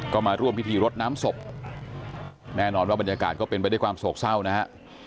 ก็มาร่วมพิธีรดน้ำศพแน่นอนว่าบรรยากาศก็เป็นไปด้วยความโศกเศร้านะฮะ